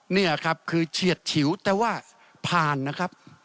นี่ครับคือเฉียดฉิวแต่ว่าผ่านนะครับ